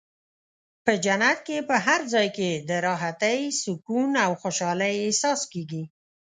په جنت کې په هر ځای کې د راحتۍ، سکون او خوشحالۍ احساس کېږي.